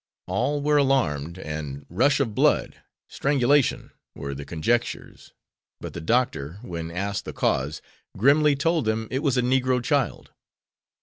All were alarmed, and "rush of blood, strangulation" were the conjectures, but the doctor, when asked the cause, grimly told them it was a Negro child.